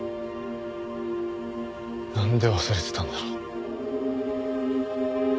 なんで忘れてたんだろう。